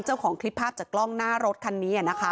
เจ้าของคลิปภาพจากกล้องหน้ารถคันนี้นะคะ